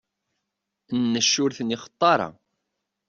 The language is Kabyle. Nnec ur ten-ixeṭṭu ara.